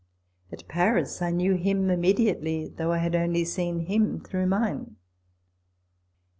At Paris I knew him immediately, though I had only seen him through mine.